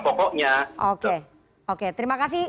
pokoknya oke oke terima kasih